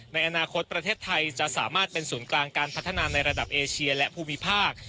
ในอนาคตประเทศไทยจะสามารถเป็นศูนย์กลางการพัฒนาในระดับเอเชียและภูมิภาค